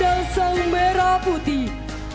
dan sang merah putih